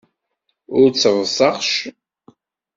U ttebẓeɣ-c i yemcicen nwen.